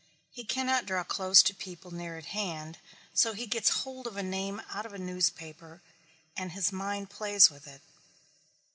He cannot draw close to people near at hand so he gets hold of a name out of a newspaper and his mind plays with it.